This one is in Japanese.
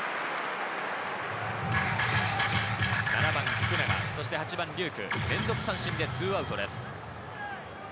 ７番・福永、そして龍空、連続三振で２アウトです。